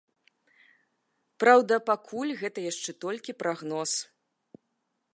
Праўда, пакуль гэта яшчэ толькі прагноз.